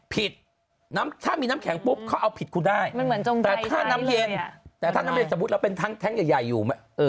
ผิดถ้ามีน้ำแข็งปุ๊บเขาเอาผิดคุณได้แต่ถ้าน้ำเย็นแต่ถ้าน้ำเย็นสมมุติเราเป็นแท้งใหญ่อยู่